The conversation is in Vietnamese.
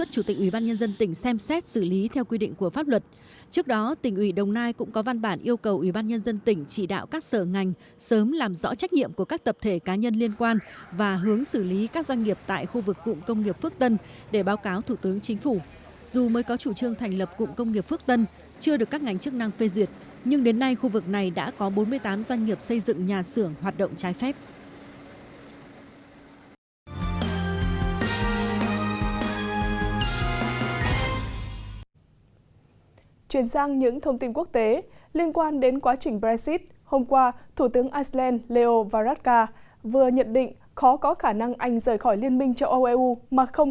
chủ tịch ubnd tỉnh đồng nai vừa tiếp tục có văn bản yêu cầu các đơn vị liên quan khẩn trương làm rõ sai phạm tại khu vực quy hoạch cụng công nghiệp phước tân tp biên hòa tỉnh đồng nai vừa tiếp tục có văn bản yêu cầu các sở ngành đơn vị liên quan đến xây dựng trái phép tại khu vực quy hoạch cụng công nghiệp phước tân